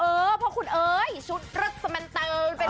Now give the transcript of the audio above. เออพ่อคุณเอ๊ยชุดรสเมนเติร์นไปเลย